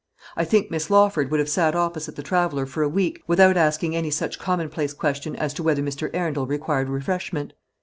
I think Miss Lawford would have sat opposite the traveller for a week without asking any such commonplace question as to whether Mr. Arundel required refreshment.